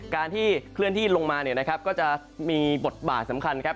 การที่เคลื่อนที่ลงมาเนี่ยนะครับก็จะมีบทบาทสำคัญครับ